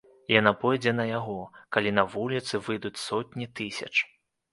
Яна пойдзе на яго, калі на вуліцы выйдуць сотні тысяч.